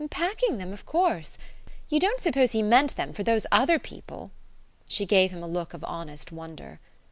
"Packing them, of course.... You don't suppose he meant them for those other people?" She gave him a look of honest wonder.